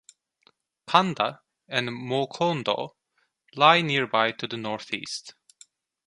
Kanda and Moukoundou lie nearby to the northeast.